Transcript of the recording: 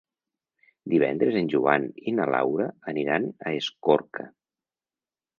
Divendres en Joan i na Laura aniran a Escorca.